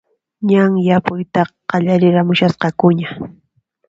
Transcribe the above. Ñan yapuytaqa qallariramushasqakuña